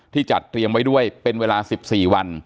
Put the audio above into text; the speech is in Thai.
จัดเตรียมไว้ด้วยเป็นเวลา๑๔วัน